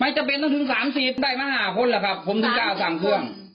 จำเป็นต้องถึง๓๐ได้มา๕คนล่ะครับผมถึงจะเอาสั่งเครื่อง